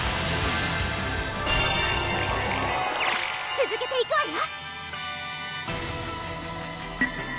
つづけていくわよ！